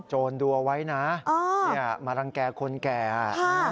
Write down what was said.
โจรดูเอาไว้นะอ๋อนี่อะมรันแก่คนแก่อะ